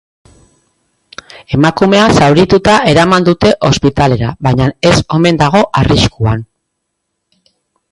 Emakumea zaurituta eraman dute ospitalera, baina ez omen dago arriskuan.